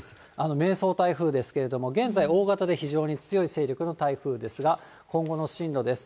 迷走台風ですけれども、現在、大型で非常に強い勢力の台風ですが、今後の進路です。